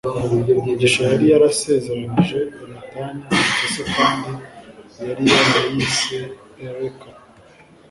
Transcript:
Mugisha yari yarasezeranije Yonatani impyisi kandi yari yarayise Eureka.